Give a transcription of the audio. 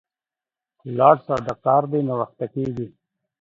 ولاړ سه، د کار دي ناوخته کیږي